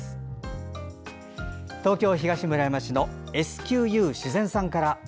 東京・東村山市のｓｑｕ自然さんから。